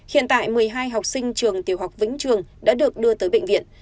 hiện tại một mươi hai học sinh trường tiểu học vĩnh trường đã được đưa tới bệnh viện